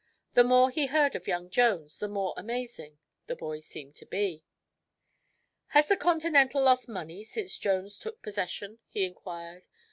The more he heard of young Jones the more amazing; the boy seemed to be. "Has the Continental lost money since Jones took possession?" he inquired.